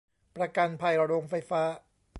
ประกันภัยโรงไฟฟ้า